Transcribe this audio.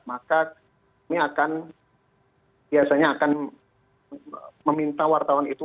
maka kami akan biasanya akan meminta wartawan itu